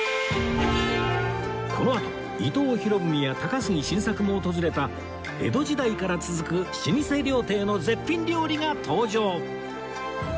このあと伊藤博文や高杉晋作も訪れた江戸時代から続く老舗料亭の絶品料理が登場